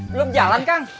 belum jalan kang